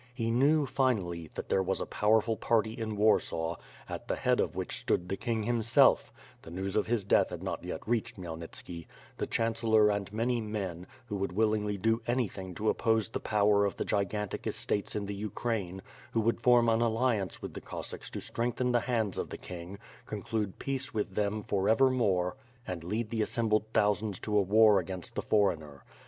He knew, finally, that there was a powerful party in Warsaw, at the head of which stood the king him self— the news of his death had not yet reached Khmyel nitski— the chancellor and many men, who would willingly do anything to oppose the pow^r of the gigantic estates in the Ukraine, who would form an alliance with the Cossacks to strengthen the hands of the king, conclude peace with them forever more and lead the assembled thousands to a war against the foreigner.